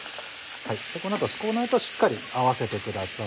この後は粉としっかり合わせてください。